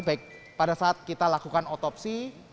baik pada saat kita lakukan otopsi